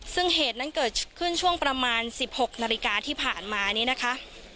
ซึ่งเหตุนั้นเกิดขึ้นช่วงประมาณ๑๖นาฬิกาที่ผ่านมานี้นะคะ